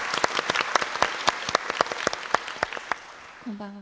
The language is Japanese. こんばんは。